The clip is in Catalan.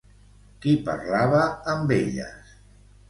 Qui parlava amb elles?